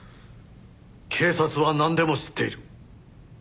警察はなんでも知っている。